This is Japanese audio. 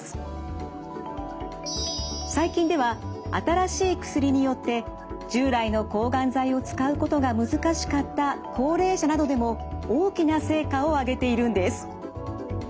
最近では新しい薬によって従来の抗がん剤を使うことが難しかった高齢者などでも大きな成果をあげているんです。